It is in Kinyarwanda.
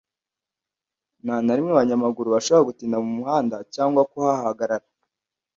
nta na rimwe abanyamaguru bashobora gutinda mu muhanda cyangwa kuhahagarara